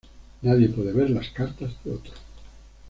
Nadie puede ver las cartas de otro.